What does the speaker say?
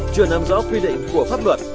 chưa nắm rõ quy định của pháp luật